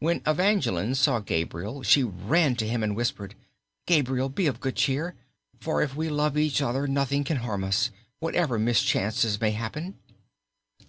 When Evangeline saw Gabriel she ran to him and whispered, "Gabriel, be of good cheer, for if we love each other nothing can harm us, whatever mischances may happen."